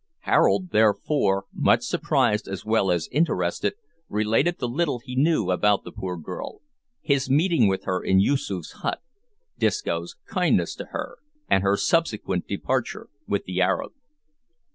Harold therefore, much surprised as well as interested, related the little he knew about the poor girl, his meeting with her in Yoosoof's hut; Disco's kindness to her, and her subsequent departure with the Arab.